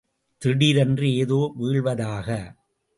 திடீரென்று ஏதோ வீழ்வதாக.